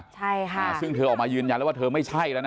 ใช่ค่ะซึ่งเธอออกมายืนยันแล้วว่าเธอไม่ใช่แล้วนะ